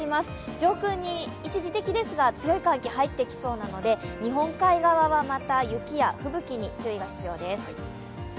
上空に一時的ですが、強い寒気が入ってきそうなので日本海側はまた雪や吹雪に注意が必要です。